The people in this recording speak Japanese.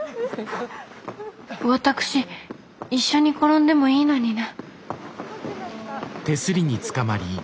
私一緒に転んでもいいのにな。